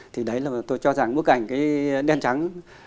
thì đấy là tôi cho rằng bức ảnh cái đen trắng